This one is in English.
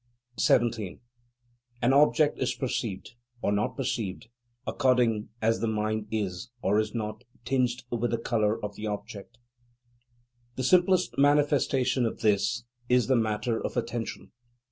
17. An object is perceived, or not perceived, according as the mind is, or is not, tinged with the colour of the object. The simplest manifestation of this is the matter of attention.